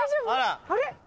あれ？